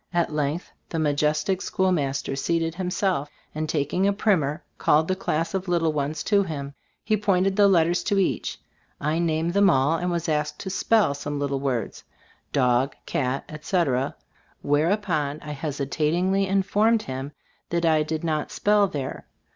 At length the majestic schoolmaster seated himself, and tak ing a primer, called the class of little ones to him. He pointed the letters to each. I named them all, and was asked to spell some little words, "dog," "cat," etc., whereupon I hesitatingly informed him that I did "not spell there."